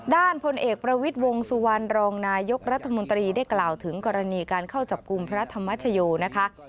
พลเอกประวิทย์วงสุวรรณรองนายกรัฐมนตรีได้กล่าวถึงกรณีการเข้าจับกลุ่มพระธรรมชโยนะคะ